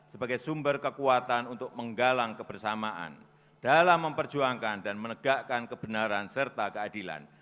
sebagai sumber kekuatan untuk menggalang kebersamaan dalam memperjuangkan dan menegakkan kebenaran serta keadilan